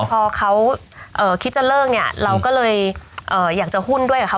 พอเขาคิดจะเลิกเนี่ยเราก็เลยอยากจะหุ้นด้วยกับเขา